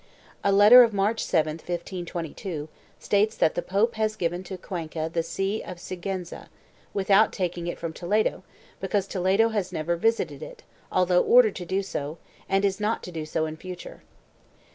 A letter of March 7, 1522, states that the pope has given to Cuenca the see of Sigiienza, without taking it from Toledo, because Toledo has never visited it although ordered to do so, and is not to do so in future.